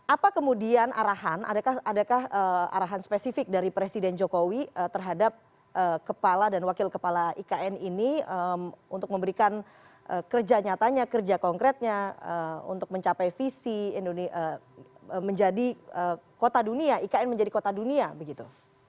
apa kemudian arahan adakah arahan spesifik dari presiden jokowi terhadap kepala dan wakil kepala ikn ini untuk memberikan kerja nyatanya kerja konkretnya untuk mencapai visi menjadi kota dunia ikn menjadi kota dunia begitu